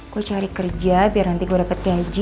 gue cari kerja biar nanti gue dapat gaji